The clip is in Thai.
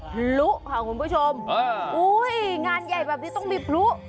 พลุค่ะคุณผู้ชมอุ้ยงานใหญ่แบบนี้ต้องมีพลุ